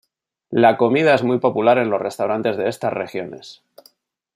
La comida es muy popular en los restaurantes de estas regiones.